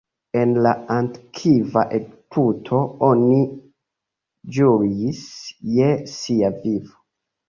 En la antikva Egipto, oni ĵuris je sia vivo.